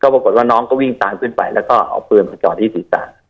ปรากฏว่าน้องก็วิ่งตามขึ้นไปแล้วก็เอาปืนมาจอดที่ศีรษะ